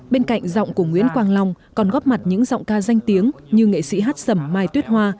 bên cạnh giọng của nguyễn quang long còn góp mặt những giọng ca danh tiếng như nghệ sĩ hát sẩm mai tuyết hoa